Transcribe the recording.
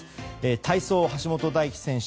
体操、橋本大輝選手